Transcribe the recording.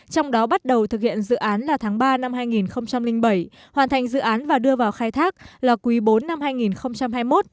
trong đó bắt đầu thực hiện dự án là tháng ba năm hai nghìn bảy hoàn thành dự án và đưa vào khai thác là quý bốn năm hai nghìn hai mươi một